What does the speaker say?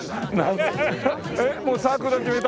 えっもうサークルは決めた？